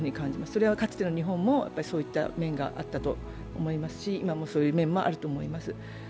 それはかつての日本もそういった面があったと思いますし、今も、そういう面があると思います